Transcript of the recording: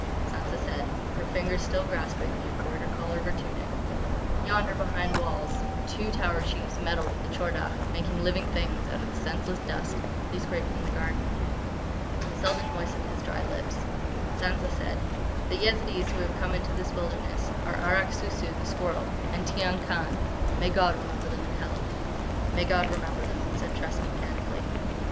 Sansa said, her fingers still grasping the embroidered collar of her tunic: "Yonder, behind walls, two Tower Chiefs meddle with the Tchor Dagh, making living things out of the senseless dust they scrape from the garden." Selden moistened his dry lips. Sansa said: "The Yezidees who have come into this wilderness are Arrak Sou Sou, the Squirrel; and Tiyang Khan.... May God remember them in Hell!" "May God remember them," said Tressa mechanically.